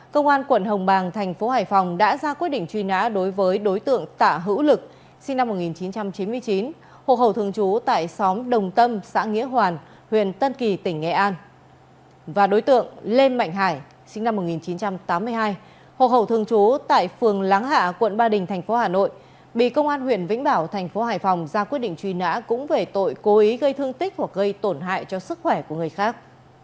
công an quận hồng bàng thành phố hải phòng đã ra quyết định truy nã đối với đối tượng tạ hữu lực sinh năm một nghìn chín trăm chín mươi chín hộ hậu thường chú tại xóm đồng tâm xã nghĩa hoàn huyện tân kỳ tỉnh nghệ an và đối tượng lên mạnh hải sinh năm một nghìn chín trăm tám mươi hai hộ hậu thường chú tại phường láng hạ quận ba đình thành phố hà nội bị công an huyện vĩnh bảo thành phố hải phòng ra quyết định truy nã cũng về tội cố ý gây thương tích hoặc gây tổn hại cho sức khỏe của người khác